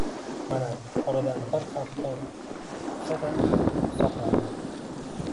Mana, oradan bir hafta oʻtsa-da oqsoqlanadi.